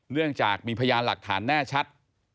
เนื่องจากมีพยานหลักฐานแน่ชัด